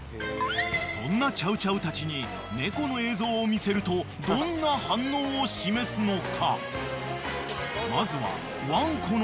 ［そんなチャウチャウたちに猫の映像を見せるとどんな反応を示すのか］